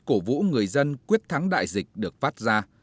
cổ vũ người dân quyết thắng đại dịch được phát ra